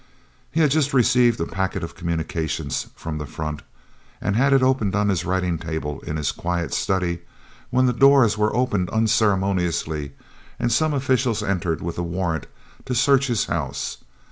He had just received a packet of communications "from the front" and had opened it on his writing table in his quiet study, when the doors were opened unceremoniously and some officials entered with a warrant to search his house.